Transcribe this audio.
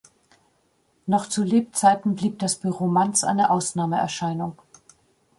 Noch zu Lebzeiten blieb das Büro Manz eine Ausnahmeerscheinung.